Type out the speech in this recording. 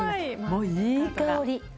もう、いい香り。